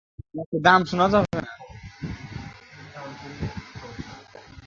তিনি চট্টগ্রাম কোর্টে জুরির হাকিম ছিলেন।